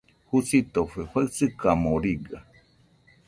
Jusitofe faɨsɨkamo riga.